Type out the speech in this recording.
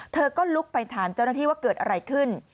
เธอก็ลุกไปถามเจ้าหน้าที่ว่าเกิดอะไรขึ้น